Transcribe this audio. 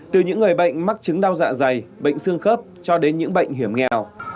từ những người bệnh mắc chứng đau dạ dày bệnh xương khớp cho đến những bệnh hiểm nghèo